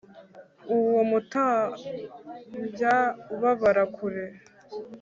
uwo mutambya ubarara kure